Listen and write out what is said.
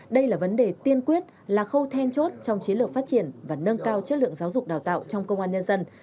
đây là vấn đề tiên quyết là khâu then chốt trong chiến lược phát triển và nâng cao chất lượng giáo dục đào tạo trong công an nhân dân